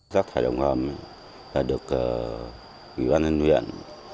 rác thải đồng hầm được ủy ban nhân huyện